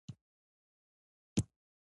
ایا زه د وربشو ډوډۍ وخورم؟